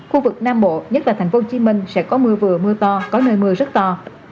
khu vực nam bộ nhất là tp hcm sẽ có mưa vừa mưa to có nơi mưa rất to